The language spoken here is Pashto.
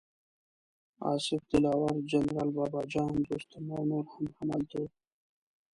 اصف دلاور، جنرال بابه جان، دوستم او نور هم هلته وو.